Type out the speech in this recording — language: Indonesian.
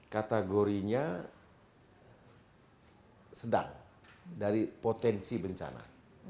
kategorinya sedang dari potensi bencana